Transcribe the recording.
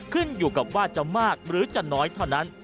ขึ้นอยู่กับว่าจะมากหรือจะน้อยเท่านั้น